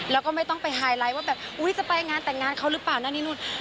แล้วก็ไม่ต้องไปไฮไลท์ว่าแบบอุ๊ยจะไปงานแต่งงานเขาหรือเปล่านั่นนี่นู่น